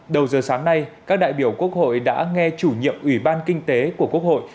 đầu giờ sáng nay các đại biểu quốc hội đã nghe chủ nhiệm ủy ban kinh tế của quốc hội